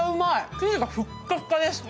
生地がふっかふかです。